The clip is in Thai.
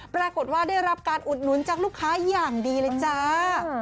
ปรากฏว่าได้รับการอุดหนุนจากลูกค้าอย่างดีเลยจ้า